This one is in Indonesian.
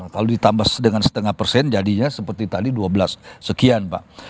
kalau ditambah dengan setengah persen jadinya seperti tadi dua belas sekian pak